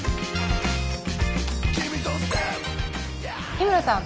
日村さん